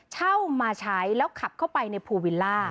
เช่ามาใช้แล้วขับเข้าไปในภูวิลล่า